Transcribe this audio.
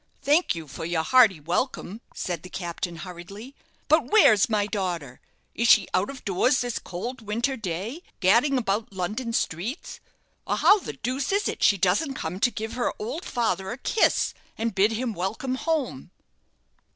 "Thank you for your hearty welcome," said the captain, hurriedly; "but where's my daughter? Is she out of doors this cold winter day, gadding about London streets? or how the deuce is it she doesn't come to give her old father a kiss, and bid him welcome home?"